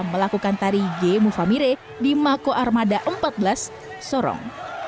melakukan tari gemu famire di mako armada empat belas sorong